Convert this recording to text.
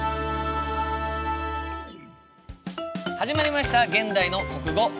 始まりました「現代の国語」。